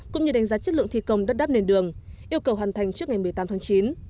cũng như đánh giá chất lượng thi công đất đáp nền đường yêu cầu hoàn thành trước ngày một mươi tám tháng chín